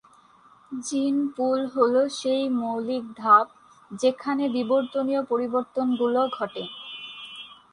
জিন পুল হলো সেই মৌলিক ধাপ, যেখানে বিবর্তনীয় পরিবর্তন গুলো ঘটে।